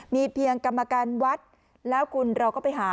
มีเพียงกรรมการวัดแล้วคุณเราก็ไปหา